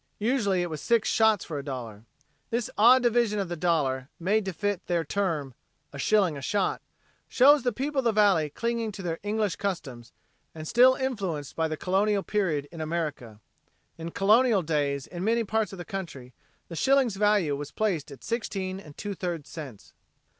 Usually it was six shots for a dollar. This odd division of the dollar, made to fit their term, "a shilling a shot," shows the people of the valley clinging to their English customs and still influenced by the Colonial period in America. In Colonial days in many parts of the country the shilling's value was placed at sixteen and two thirds cents.